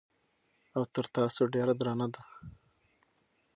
او تر تاسو ډېره درنه ده